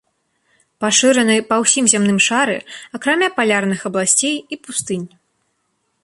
Пашыраны па ўсім зямным шары акрамя палярных абласцей і пустынь.